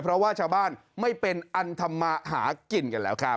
เพราะว่าชาวบ้านไม่เป็นอันธรรมากินกันแล้วครับ